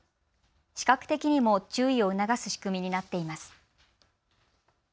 視覚的にも注意を促す仕組みになっています。